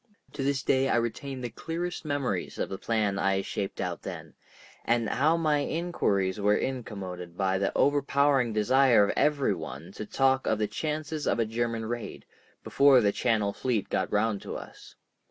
To this day I retain the clearest memories of the plan I shaped out then, and how my inquiries were incommoded by the overpowering desire of every one to talk of the chances of a German raid, before the Channel Fleet got round to us.